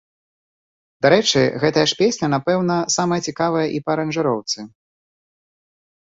Дарэчы, гэтая ж песня, напэўна, самая цікавая і па аранжыроўцы.